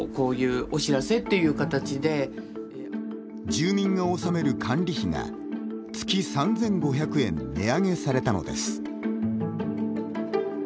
住民が納める管理費が月３５００円値上げされたのです。